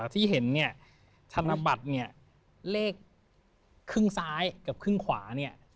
ที่เห็นเนี่ยธนบัตรเนี่ยเลขครึ่งซ้ายกับครึ่งขวาเนี่ย